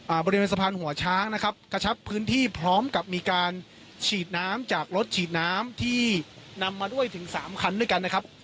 บริเวณสะพานหัวช้างนะครับกระชับพื้นที่พร้อมกับมีการฉีดน้ำจากรถฉีดน้ำที่นำมาด้วยถึงสามคันด้วยกันนะครับ